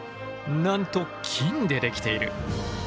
なんと金で出来ている。